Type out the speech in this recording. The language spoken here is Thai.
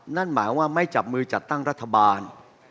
นั่นหมายว่าไม่จับมือจัดตั้งรัฐบาล